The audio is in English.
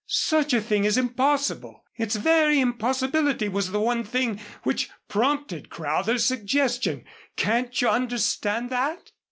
Such a thing is impossible. Its very impossibility was the one thing which prompted Crowthers' suggestion. Can't you understand that?"